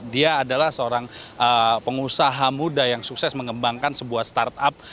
dia adalah seorang pengusaha muda yang sukses mengembangkan sebuah startup